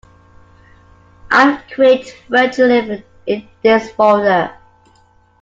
I'll create a virtualenv in this folder.